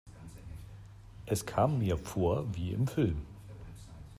Es kam mir vor wie im Film.